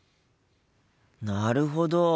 なるほど！